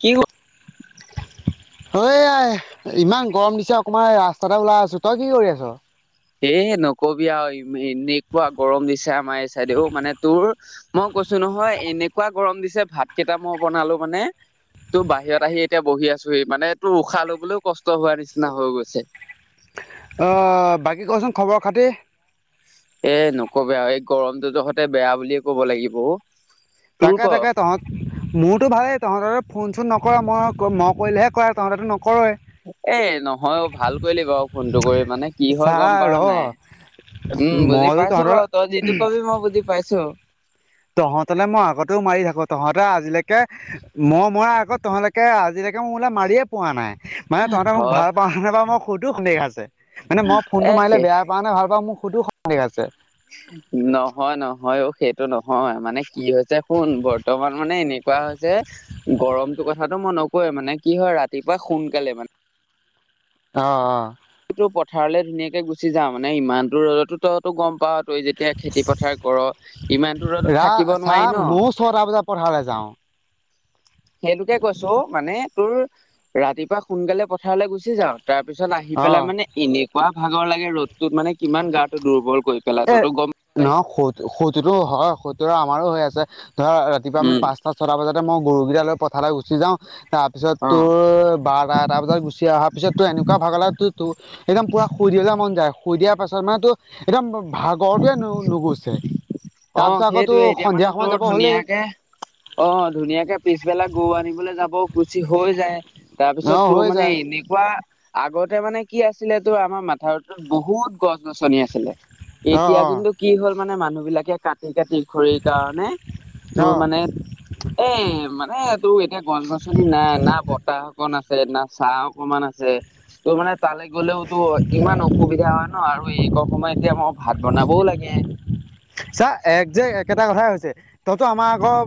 কি হ ইমান গৰম দিছে অকমান ৰাস্তাটা ওলাই আছো। তই কি কৰি আছ? এ নকবি আৰু এনেকুৱা গৰম দিছে আমাৰ এই চাইডে অ' মানে তোৰ। মই কৈছো নহয় এনেকুৱা গৰম দিছে ভাত কেইটা মই বনালো মানে তোৰ বাহিৰত আহি এতিয়া বহি আছোহি মানে তোৰ উশাহ লবলৈওঁ কষ্ট হোৱাৰ নিচিনা হৈ গৈছে। বাকী কচোন খবৰ খাতি? এ নকবি আৰু এই গৰমটোতো সতে বেয়া বুলিয়ে ক'ব লাগিব অ'। তোৰ তাকে ক তাকে তহঁত মোৰতো ভালেই তহঁতৰ? ফোন চোন নক মই মই কৰিলেহে কৰা তহ' তেতো ন এ নহয় অ' ভাল কৰিলি বাৰু ফোনটো কৰি। মানে কি হয় চা গ'ম ৰ পোৱা নাই উম বুজি মইতো পাইছো তহঁতৰ বাৰু তই যিটো কবি মই বুজি পাইছো। তহঁতলে মই আগতেও মাৰি থাকো তহঁতে আজিলৈকে মই মৰা আগত তহঁলকে আজিলৈকে তে মোেল মাৰিয়ে পোৱা নাই। মানে তহ'তে মোক হয় ভাল পাওঁ নে বা মই সৈতো সন্দেহ আছে। মানে মই ফোনটো এ মাৰিলে বেয়া পাৱ নে ভাল পাওঁ মোৰ সেইতো সন্দেহ আছে। নহয় নহয় অ' সেইটো নহয় মানে কি হৈছে শুন। বৰ্তমান মানে এনে কুৱা হৈছে, গৰমটো কথাটো মই নকৱে, মানে কি হয় ৰাতিপুৱা সোনকালে মানে অ' অ' পথাৰলে ধুনাকে গুচি যাওঁ মানে ইমান টো ৰ'দতো তইতো গ'ম পাৱ। তই যেতিয়া খেতি পথাৰ কৰ ইমানটো ৰ'দত ৰা থাকিব চা নোৱাৰি ন। ময়ো ছটা বজাত পথাৰলৈ যাওঁ সেইটোকে কৈছো মানে তোৰ ৰাতিপুৱা সোনকালে পথাৰলৈ গুচি যাওঁ তাৰ পিছত আহি অ', পেলাই মানে এনেকুৱা ভাগৰ লাগে ৰ'দতোত মানে কিমান গাটো দুৰ্বল কৰি পেলাই এ তইতো গম নহয় সৌতো সৌতোটো হয় সৌতো আমাৰো হৈ আছে। ধৰা ৰাতিপুৱা আমি উম পাঁচটা ছটা বজাতে মই গৰুকেইটা লৈ পথাৰলৈ গুচি যাওঁ তাৰপিছত অ তোৰ বাৰটা এটা বজাত গুচি অহাৰ পিছত তোৰ এনেকুৱা ভাগৰ লাগে তোৰ একদম পুৰা শুই বলে মন যায়, শুই দিয়া পাছত মানে তো একদম ভাগৰতোৱে নুগুছে। তাৰপিছত অ' আকৌ তোৰ সেইটয়ে এতিয়া মানে সন্ধিয়া সময়ত তোৰ যাব হ'লেই ধুনীয়াকে অ' ধুনীয়াকে পিছবেলা গৰু আনিবলৈ যাব গুচি হৈ যায়। তাৰপিছত অ', তোৰ হৈ মানে যায় এনেকুৱা আগতে মানে কি আছিলে তোৰ আমাৰ মাথাউত বহুত গছ গছনি আছিলে। অ', এতিয়া অ', কিন্তু কি হ'ল মানে মানুহ বিলাকে কাটি কাটি খড়ীৰ কাৰণে তোৰ অ', মানে এ মানে তোৰ এতিয়া গছ গছনি নাই না বতাহ অকন আছে ত না ছাঁ অকমান আছে ত' মানে তালৈ গ'লেওঁ তো ইমান অসুবিধা ন আৰু এই সময় এতিয়া মই ভাত বনাবও লাগে। চা একজেক্ট একেইটা কথাই হৈছে, তহতো আমাৰ ঘৰ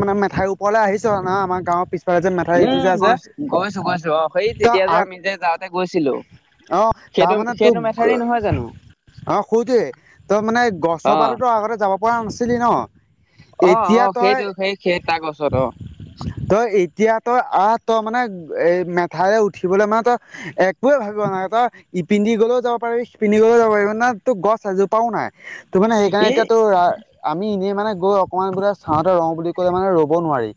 মানে মেঠাইৰ ওপৰলৈ আহিছ ন আমাৰ গাঁৱৰ পিছ। উম, গৈছো, গৈছো, গৈছো অ' সেই তেতিয়া যে তই আমি যে যাওঁতে গৈছিলো। অ' সেইটো তাৰমানে সেইটো তোক মেথাউৰি নহয় জানো? অ' সুতে তাৰ মানে গছ। অ চপাৰতো আগতে যাব পৰা নাছিলি ন। অ' এতিয়া অ' তই সেইটো সেই সেই তাৰ গছৰত অ'। তই এতিয়া তই আহ তই মানে এ মেথাউৰে উঠিবলৈ মানে তই একোৱেইে ভাবিব নালাগে তই। ইপিন্ধি গ'লেও যাব পাৰিবি সিপিন্ধি গ'লেও যাব পাৰিবি ন তো গছ এজোপাও নাই। তো মানে সেইকাৰণে এ এতিয়াতো আমি এনে। মানে গৈ অকণমান বোলে চাওঁতে ৰং বুলি ক'লে মানে ৰ'ব নোৱাৰি।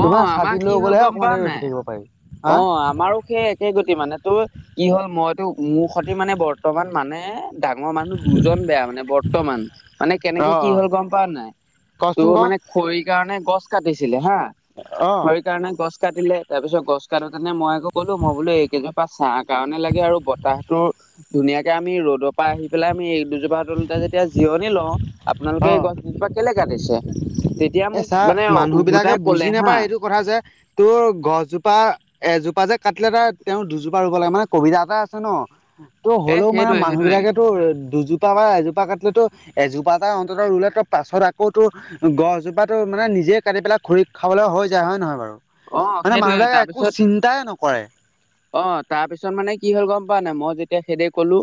তোৰ অ' মানে আমাৰ ছাতি কি লৈ হ'ল গ'লেহে গ'ম অকণমান পোৱা দেৰি ৰখি নাই থাকিব পাৰি হা অ' আমাৰো সেই একে গতি মানে তোৰ। কি হ'ল মইতো মোৰ সতে মানে বৰ্তমান মানে। ডাঙৰ মানুহ দুজন বেয়া মানে বৰ্তমান মানে অ কেনেকে কি অ হ'ল গ'ম পাওঁ নে নাই। তো' কচোন ক মানে খৰি। কাৰণে গছ কাটিছিলে হা অ খৰিৰ কাৰণে গছ কাটিলে তাৰপিছত গছ কাটো। মানে মই আকৌ কলো মই বোলো এইকেজন। বা চাৰহ কাৰণে লাগে আৰু বতাহতো ধুনীয়াকে আমি ৰ'দৰ পৰা আহি পেলাই আমি এই দুজোপা। [unintelligible] যেতিয়া জিৰণি লওঁ আপোনালোকে অ এই গছ দুজোপা কেলে কাটিছে। তেতিয়া এ মোক ছাৰ মানে মানুহ বিলাকে উভোতাই। কলে বুজি হা এইটো কথা যে তোৰ গছজোপা। এজোপা যে কাটিলে ত তেওঁৰ দুজোপা ৰুব লাগে মানে কবিতা এটা আছে ন। ত' এ হ'লেও মানে সেইটোৱে মানুহ সেইটোৱে বিলাকেতো। দুজোপা বা এজোপা কাটিলেতো এজোপা এটা অন্ততঃ ৰুলে তো পাছত আকৌ। তো গছজোপাতো মানে নিজে কাটি পেলাই খৰি খাবলৈ হৈ যায় হয় নে নহয় বাৰু। অ মানে সেইটোৱে মানুহবিলাকে একো তাৰপিছত চিন্তাই নকৰে। অ' তাৰ পিছত মানে কি হ'ল গ'ম পোৱা নাই মই যেতিয়া সেইদি ক'লো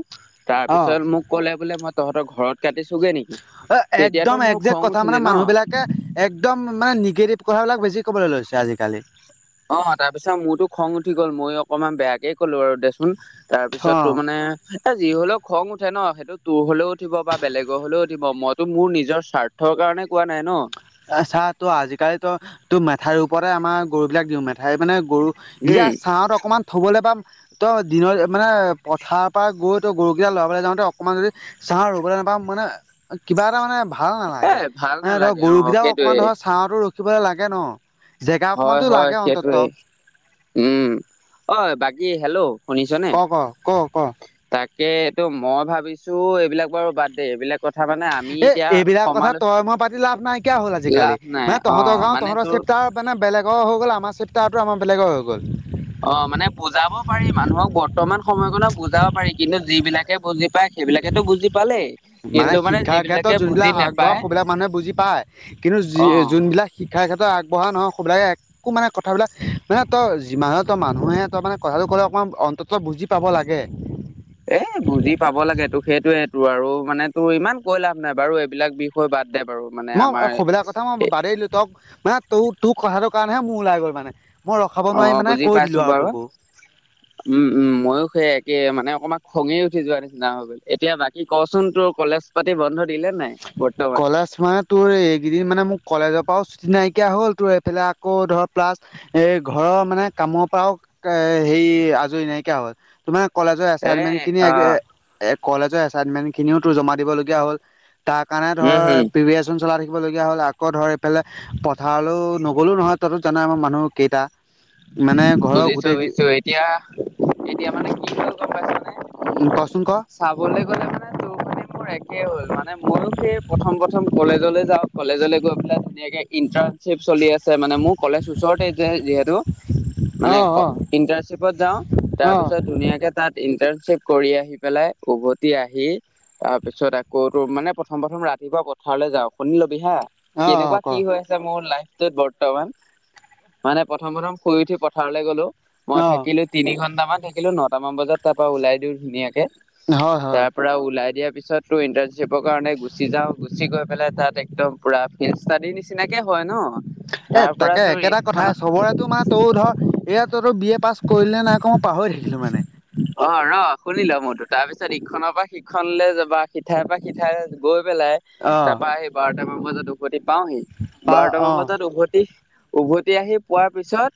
তাৰ অ পিছত মোক ক'লে বোলে মই। তহঁতৰ ঘৰত কাটি চোগে নেকি। অ' তেতিয়াতো একদম মোৰ একজেক্ট খং কথা মানে উঠিলে ন মানুহ বিলাকে একদম মানে নিগেটিভ কথাবিলাক বেছি। ক'বলৈ লৈছে আজিকালি। অ' তাৰপিছত মোৰতো খং উঠি গ'ল। মই অকমান বেয়াকে ক'লো আৰু দেচোন। তাৰ পিছত অ তো মানে এ যি হলেওক। খং উঠে ন, সেইটো তোৰ হ'লেও উঠিব। বা বেলেগৰ হ'লেও উঠিব, মইতো মোৰ নিজৰ স্বাৰ্থৰ কাৰণে কোৱা নাই ন। আছাহ ত' আজিকালি তো তোৰ মেঠাইৰ ওপৰতে আমাৰ গৰু বিলাক দিওঁ মেঠাই মানে। গৰু যেতিয়া উম ছাঁত অকমান থ'বলৈ বা। তই দিনত মানে পথাৰ পৰা গৈ ত গৰু কেইটা লৰাবলৈ যাওঁতে অকনমান যদি চাৰহ ৰবলৈ। বা মানে কিবা এটা মানে। ভাল এ নালাগে ভাল মানে ধৰ নালাগে অ গৰুকেইটাও সেইটোৱে অকমান ধৰ ছাহতো ৰখিবলৈ লাগে ন। জেগা হয়, অকমানতো হয়, লাগে অন্তত সেইটোৱেই উম, অ' বাকী হেল্ল'। শুনিছনে ক, ক, ক, ক। তাকে এইটো মই ভাবিছো। এইবিলাক বাৰু বাদ দে এইবিলাক। কথা মানে আমি এ এতিয়া এইবিলাক কথা সমালোচ তই মই পাতি লাভ নাইকিয়া হ'ল আজিকালি লাভ নাই মানে অ তহঁতৰ গাওঁ মানে তহঁতৰ তোৰ চেক। তাৰপানে মানে বেলেগৰ হৈ গ'ল আমাৰ চিপ্তাৰটো আমাৰ বেলেগৰ হৈ গ'ল। অ' মানে বুজাব পাৰি মানুহক বৰ্তমান সময়কনত বুজাব পাৰি কিন্তু যি বিলাকে বুজি পায়। সেইবিলাকেটো বুজি। পালেই মানে কিন্তু শিক্ষাৰ ক্ষেত্ৰত যিবিলাকে বুজি যোনবিলাক আগবঢ়া, নেপায় সেইবিলাক মানুহে বুজি পায়। অ কিন্তু যোনবিলাক শিক্ষা তেখেতৰ আগবঢ়া নহয়। বে একো মানে কথাবিলাক মানে তই যিমান তই মানুহে তই মানে কথাটো ক'লে অকণমান অন্তত বুজ। বুজি পাব লাগে। এ বুজি পাব লাগে তোক সেইটোয়ে তোৰ আৰু মানে তোৰ ইমান কৈ লাভ নাই বাৰু এইবিলাক বিষয় বাদ। দে বাৰু মানে মই আমাৰ সুবিধাৰ কথা মই বাদি দিলো, তক মানে তোৰ তোৰ কথাটোৰ কাৰণেহে মোৰ ওলাই গল মানে। মই ৰখাব অ নোৱাৰি মানে বুজি কৈ পাইছো দিলোঁ আৰু বাৰু, তোকো উম মইও সেই একে মানে অকমান খঙে উঠি যোৱা নিচিনা হৈ গ'ল। এতিয়া বাকী কচোন তোৰ কলেজ পাতি বন্ধ দিলে নাই? বৰ্তমান কলেজ মানে তোৰ এইকেইদিন মানে মোৰ কলেজৰ পৰা ছুটি নাইকিয়া হ'ল, তোৰ এইফালে আকৌ ধৰ প্লাছ এ ঘৰৰ মানে কামৰ পৰাও এ হেৰি আজৰি নাইকিয়া হ'ল, তোমানে কলেজৰ এ এছাইনমেন্ট খিনি অ এ কলেজৰ এছাইনমেন্ট খিনিওটো জমা দিবলগীয়া হ'ল। তাক কাৰণে ধৰ উম হম প্ৰিপেৰেশচন চলাই থাকিবলগীয়া হ'ল আকৌ ধৰ এইফালে পথাৰলৈও নগ'লো নহয়। তইতো জান আমাৰ মানুহ কেইটা। মানে ঘৰৰ বুজিছো গোটেই বুজিছো এতিয়া, এতিয়া মানে কি হ'ল গম পাইছ নে? কচোন ক চাবলৈ গ'লে মানে তোৰ খানি মোৰ একেই হ'ল মানে ময়ো সেই প্ৰথম প্ৰথম কলেজলৈ যাওঁ, কলেজলৈ গৈ পেলাই ধনীয়াকে ইণ্টাৰ্ণশ্বিপ চলি আছে মানে মোৰ কলেজ ওচৰতে যে যিহেতু। মানে অ অ ইটাৰশ্বিপত যাওঁ অ তাৰপিছত ধুনীয়াকে তাত পিছত কৰি আহি পেলাই উভতি আহি তাৰপিছত আকৌ ত মানে প্ৰথম প্ৰথম ৰাতিপুৱা পথাৰলৈ যাওঁ শু হা অ অ কেনেকুৱা ক কি হৈ আছে মোৰ লাইফটোত বৰ্তমান। মানে প্ৰথম প্ৰথম শুই উঠি পথাৰলৈ গলো মই অ থাকিলো তিনি ঘন্টামান। থাকিলো নট মান বজাত তাৰ পৰা লাই দি ধুনাকে, হয় হয় তাৰ পৰা ওলাই দিয়া তাৰপিছত তো ইণ্টাৰনশ্বিপৰ কাৰণে গুচি যাওঁ, গুচি গৈ পেলাই তাত একদম পুৰা ফিল ষ্টডি নিচিনাকে হয় ন। এ তাৰ পৰা তাকে তোৰ একেটা ইখন কথাই চবৰে তো মা তই ধৰ এয়া ত তোৰ বি এ পাছ কৰিলে নাই আকৌ মই পাহৰি থাকিলো মানে। অ শুনো মোৰটো তাৰ পিছত তাৰপিত ইখনৰ পৰা সিখনলৈ যাবা, সিঠাইৰ পৰা সিঠাই গৈ পেলাই তাৰ অ' পৰা স বাৰটা বাৰ বজাত উভতি পাওহি পা বাৰটামান অ' বজাত উভতি, উভতি আহি পোৱাৰ পিছত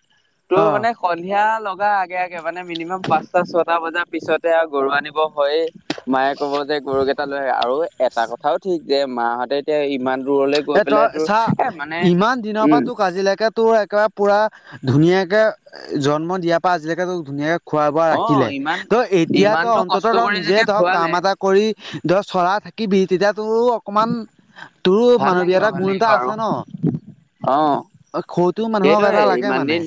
তোৰ অ' মানে সন্ধিয়া ল আগে আগে মানে মিনিমাম পাঁচটা ছটা বজাৰ পিছতে আৰু গৰু আনিব হয়েই। মায়ে ক'ব যে গৰুকেইটা লৈ আৰু এটা কথাও ঠিক যে মাহতে এতিয়া ইমান দূৰলৈ গৈ এ পেলাই তই তোৰ চা এ মানে ইমান দিনৰ পৰা উম তোক আজিলৈকে তোৰ পুৰা ধুনীয়াকে জন্ম দিয়াৰ পৰা আজিলৈকে তোক ধুনীয়াকে খোৱা-বোৱা অ ৰাখিলে ইমান ত এতিয়া ত ইমানটো অন্তত কষ্ট ধ কৰি নিজে যেতিয়া ধৰ খোৱালে কাম এটা কৰি ধৰ চলাই থ কিবি তেতিয়া তোৰ অকমান তোৰ ভাল মানৱীয় লাগিব এতাৰ ভাল গুণ লাগিব এটা আৰু আছে ন। অ অ [unintelligible] মানুহক এটা সেইটোয়ে লাগে ইমান মানে। দিন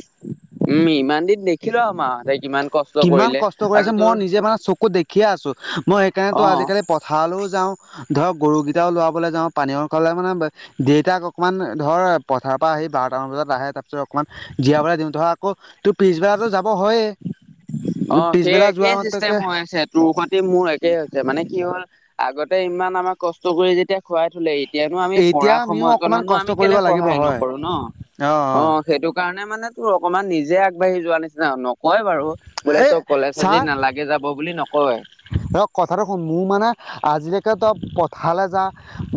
উম ইমান দিন দেখিলো মাহতে কিমান কষ্ট কিমান কৰিলে কষ্ট কৰি আৰু আছে তোৰ মই নিজে মানে চকু দেখিয়ে আছো, মই সেইকাৰণেতো অ আজিকালি পথাৰলৈও যাওঁ ধৰ গৰুকেইটাও লোৱাবলৈ যাওঁ, পানী খালে মানে দেউতাক অকনমান ধৰ পথাৰৰ পৰা বাৰটামান বজাত আহে তাৰ পিছত অকমান জীয়াব দিওঁ ধৰা আকৌ তোৰ পিছবেলো যাব হয়য়ে। অ সেই একেই চিষ্টেম হৈ আছে, তোৰ সতে মোৰ একেই হৈছে মানে কি হ'ল আগতে ইমান আমাক কষ্ট কৰি যেতিয়া খুৱাই থলে, এতিয়ানো আমি এতিয়া পঢ়া আমিও অকণমান সময়কনো কষ্ট আমি কৰিব কেলে লাগিব সহায় হয় নকৰো ন। অ সেইটো কাৰণে মানে তোৰ অকমান নিজে আগবাঢ়ি যোৱা নিচিনা নকয় বাৰু বোলে এই তই কলেজ আজি নালাগে যাব বুলি নকয় ৰ কথাটো শুন মোৰ মানে আজিলৈকে তে পথালে যা,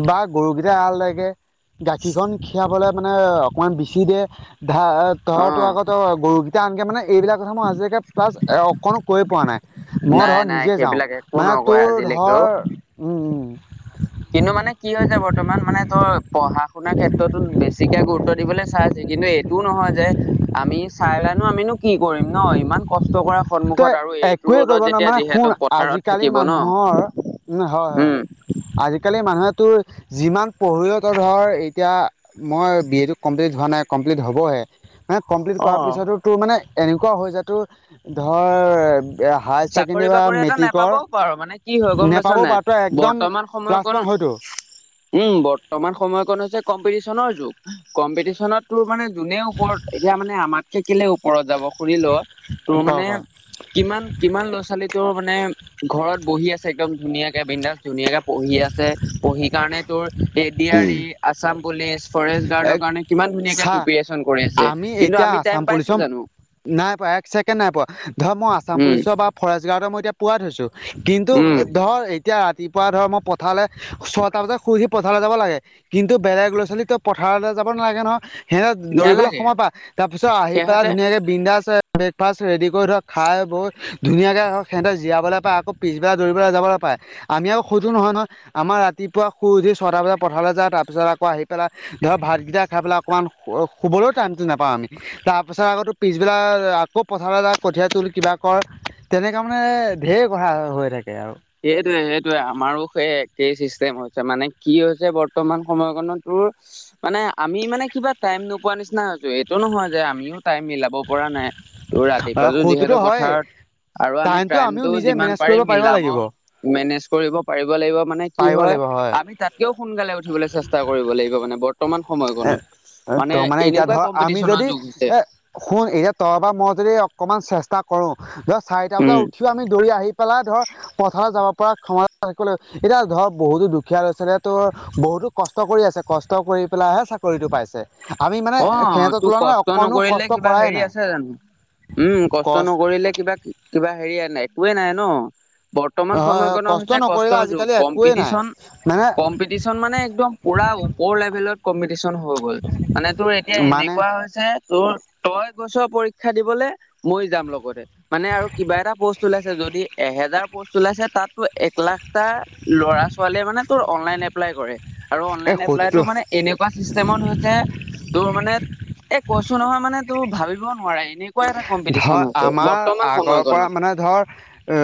বা গৰুকেইট আহাৰ লাগে গাখীৰ খন খীৰাবলৈ অকণমান বিছি দে ধা অ তহৰ তৰ আগত গৰুকেইটা আনকৈ মানে এইবিলাক কথা মই আজিলৈকে প্লাছ অকণো কৈয় পোৱা নাই। মই নাই ধৰ নাই নিজে যাওঁ সেইবিলাক একো মানে নকয় তোৰ আজিলৈকেও ধৰ উম উম উম কিন্তু মানে কি হৈছে বৰ্তমান মানে তোৰ পঢ়া শুনাৰ ক্ষেত্ৰতো বেছিকে গুৰুত্ব দিবলৈ চাইছিল কিন্তু এইটোও নহয় যে আমি চাই লানো আমিনো কি কৰিম ন ইমান কষ্ট কৰা তই সন্মুখত আৰু এইটো একোৱেই কৰিব ৰ'দত নোৱাৰ যেতিয়া মানে যিহেতু পথাৰত থাকিব ন। উ হয় হয় উম আজি আজিকালি মানুহেতো যিমান পঢ়িল তো ধৰ এতিয়া মই বি এটো কমপ্লিট হোৱা নাই, কম [unintelligible] কমপ্লিট অ কৰাৰ পিছতো তোৰ মানে এনেকুৱা হৈ যায় তোৰ ধৰ হায়াৰ ছেকেণ্ডৰী চাকৰি বা বাকৰি এটা মেট্ৰিকৰ নোপাবও পাৰো মানে কি হয় গম পাইছ নেপাব নাই পাৰ তই একদম বৰ্তমান প্লাছ সময়কণ ওৱান হয় টো। উম, বৰ্তমান সময়ক হৈছে কম্পি কম্পিটিছন ৰ যোগ কম্পিটিছনত টোৰ মানে জোনে ওপৰত এতিয়া মানে আমাতকে কেলে ওপৰত যাব শুনি ল' তোৰ ক মানে ক কিমান কিমান ল'ৰা ছোৱালী তোৰ মানে ঘৰত বহি আছে এক্দম ধুনীয়াকে বিন্দাছ ধুনীয়াকে পঢ়ি আছে পঢ়ি কাৰণে তোৰ এ দি আৰি আছাম পুলিচ ফৰেষ্ট এক গাৰ্ডৰ কাৰণে কিমান ধুনীয়াকে চা প্ৰিপেৰেচন কৰি আছে আমি কিন্তু এতিয়া আমি আছাম টাইম পাইছো পুলিচৰ জানো? নাই পোৱা এক চছেকেণ্ড নাই পোৱা ধৰ মৈ আচ আচাম উম পুলিচৰ বা ফৰেষ্ট গাৰ্ডৰ মই এতিয়া পোৱাাই থৈছো কিন্তু উম ধৰ এতিয়া ৰাতিপুৱা ধৰ মই পথাৰলৈ ছটা বজাত শুইহি পথাৰলৈ যাব লাগে কিন্তু বেলেগ ল'ৰা ছোৱালী তই পথাৰলে যাব নালাগে নহয় সিহঁতে দৌৰিবলৈ নালাগে সময় পাই তাৰ পিছত আহি পেলাই সিহঁতে ধুনীয়াকে বিন্দা আ ব্ৰেকফাষ্ট ৰেডি কৰি ধৰ খাই বৈ ধুনীয়াকৈ সিহঁত জীয়াবলৈ পায় আকৌ পিছবেলা দৌৰিবলৈ যাবলৈ পায় আমি আৰু সেইটো নহয় নহয় আমাৰ ৰাতি পুৱা শুই উঠি ছটা বজাত পথাৰলৈ যায় তাৰপিছতকৌ আহি পেলাই ধৰ ভাতকেইটা খাই পেলাই অকণমান শুবলৈও টাইমটো নাপাওঁ আমি তাৰ পাছত আকৌ তোৰ পিছবেলা আকৌ পথাৰলৈ যা কঠীয়া তোল কিবা কৰ তেনেকা মানে ঢেৰ কথা হৈ থাকে আৰু। সেইটয়ে সেইটোৱে আমাৰো সেই একেই চিষ্টেম হৈছে মানে কি হৈছে বৰ্তমান সময়কণত তোৰ মানে আমি মানে কিবা টাইম নোপোৱা নিচিনা হৈছো এইটো নহয় যে আমিও টাইম মিলাব পৰা নাই। তোৰ অ' ৰাতিপুৱাটো সৌটোতো যিহেতু হয় পথাৰত আৰু আমি টাইমটো আমিও টাইমতটো নিজে মেনেজ যিমান কৰিব পাৰি পাৰিব মিলাব লাগিব মেনেজ কৰিব পাৰিব লাগিব মানে কি পাৰিব হয় লাগিব আমি তাতকেও সোনকালে উঠিবলৈ চেষ্টা কৰিব লাগিব বৰ্তমান এ সময়কণত ত মানে এতিয়া এনেকুৱাই ধৰ আমি কম্পিটিছনৰ যদি যুগ হৈছে। এ শুন এতিয়া তই বা মই যদি অকণমান চেষ্টা কৰোঁ ধৰ চাৰিটা বজাত উম উঠিও আমি দৌৰি আহি পেলাই ধৰ পথাৰলৈ যাব পৰা ক্ষমতা থাকিব লাগিব এতিয়া ধৰ বহুতো দুখীয়া ল'ৰা ছোৱালীয়ে টোৰ বহুতো কষ্ট কৰি আছে কষ্ট কৰি পেলাইহে চাকৰিটো পাইছে। আমি মানে অ সিহঁতৰ তোৰ তুলনাত কষ্ট অকণো নকৰিলে কষ্ট কিবা কৰাই হেৰি নাই। আছে জানো উম, কষ্ট নকৰিলে কিবা কিবা হেৰি নাই একোৱেই নাই ন। বৰ্তমান হয় হয় সময়কণত কষ্ট হৈছে নকৰিলে কষ্টৰ যুগ আজিকালি একোৱেই নাই কম্পিটিচন মানে কম্পিটিশন মানে একদম পুৰা ওপৰ লেভেলত কম্পিটিশন হৈ গ'ল। মানে তোৰ এতিয়া মানে এনেকুৱা হৈছে তোৰ তই গৈছ পৰীক্ষা দিবলে মই যাম লগতে মানে আৰু কিবা এটা পষ্ট ওলাইছে যদি এহে জাৰ পোষ্ট ওলাইছে তাত তোৰ এক লাখ টা ল'ৰা ছোৱালীয়ে মানে তোৰ অনলাইন এপ্লাই কৰে আৰু অনলাইন এই এপ্লাইটো শত্ৰু মানে এনেকুৱা চিষ্টেম হৈছে তোৰ মানে এ কৈছো নহয় মানে তোৰ ভাবিবও নোৱাৰি। ধৰ আমাৰ আগৰ পৰা সময়কণত মানে ধৰ এ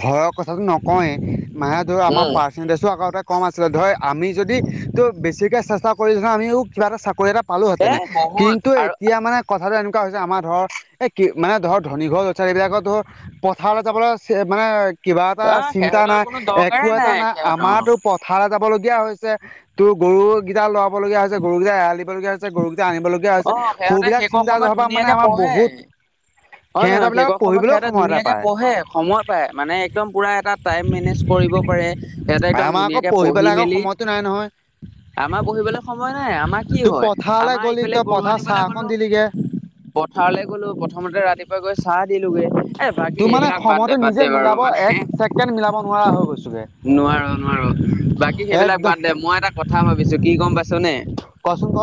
ঘৰক কথাটো নকওঁয়েই মানে ধৰ আমাৰ উম পাৰ্চেন্টেজ টো আগতে কম আছিলে ধৰ আমি যদি তোৰ বেছিকে চেষ্টা কৰি ধৰ আমিও কিবা এটা চাকৰি এটা এ পালোহেতেনে বহুত কিন্তু আৰু এতিয়া মানে কথাটো এনেকুৱা হৈছে আমাৰ ধৰ এই মানে ধৰ ধনীঘৰ ল'ৰা ছোৱালী বিলাকত ধৰ পথাৰলৈ যাবলৈ মানে কিবা এটা অ চিন্তা সিহঁতৰ নাই কোনো একো দৰকাৰে এটা নাই সিহঁতৰ আমাৰটো পথাৰে যাবল লগীয়া হৈছে তোৰ গৰুকেইটা লৰাব লগীয়া হৈছে গৰুকেইটা এৰাল দিব লগীয়া হৈছে গৰু কেইটা আনিবলগীয়া হৈছে অ সিহঁতে সৌবিলাক শেষৰ চিন্তা সময়ত ধৰাপা মানে ধুনীয়াকে আমাৰ পঢ়ে। বহুত হয় নহয় সেই সিহঁতৰবিলাক কন সময়ত পঢ়িবলৈও সিহঁতে সময় এটা ধুনীয়াকে পায় পঢ়ে সময় পায় মানে একদম পুৰা এটা টাইম মেনেজ কৰিব পাৰে সিহঁতে একদম আমাৰ আকৌ ধুনীয়াকে পঢ়ি পেলাই আকৌ মেলি সময়তো নাই নহয় আমাৰ পহিবলৈ সময় নাই আমাৰ কি তোৰ হয় পথাৰলৈ আমাৰ গ'লি ইফালে তই গৰু পথাৰ চাহ আনিবলৈ অকণ গলো। দিলিগে পথাৰলৈ গলো প্ৰথমতে ৰাতিপুৱা গৈ চাহ দিলোগে এ বাকী তোৰ মানে এইবিলাক বাদ সময়তো দে বাদ নিজে দে মিলাব বাৰু এক মানে ছেকেণ্ড মিলাব নোৱাৰা হৈ গৈছোগে নোৱাৰো নোৱাৰো, বাকী সেইবিলাক একদম বাদ দে, মই এটা কথা ভাবিছো, কি গম পাইছনে? কচোন ক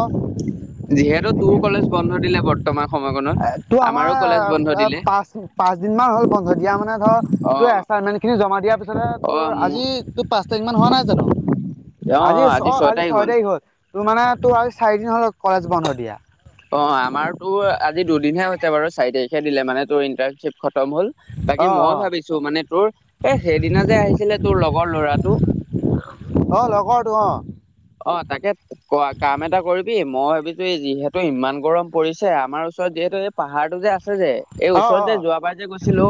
যিহেতু তোৰো কলেজ বন্ধ দিলে বৰ্তমান। সময়কণত এ টো আমাৰো আমাৰ কলেজ বন্ধ দিলে পাঁচ-পাঁচ দিনমান হ'ল বন্ধ দিয়া, মানে ধৰ অ টো [unintelligible] খিনি জমা দিয়াৰ অ তোৰ মোৰ আজি তোৰ পাঁচ তাৰিখ মান হোৱা নাই জানো? আজি ছ আজি ছয় তাৰিখ হল। তোৰ মানে তোৰ আজি চাৰিদিন হ'ল কলেজ বন্ধ দিয়া। অ আমাৰতো আজি দুদিনহে হৈছে বাৰু, চাৰি তাৰিখে দিলে মানে তোৰ ইন্টাৰশ্বিপ খতম হ'ল, অ বাকী অ মই ভাবিছো মানে তোৰ এ সেইদিনা যে আহিছিলে তোৰ লগৰ ল'ৰাটো অ', ল অ', তাকে ক কাম এটা কৰিবি মই ভাবিছো এই যিহেতু ইমান গৰম পৰিছে, আমাৰ ওচৰত যিহেতু এই পাহাৰটো যে আ এই অ ওচৰত অ যে যোৱাবাৰ যে গৈছিলো।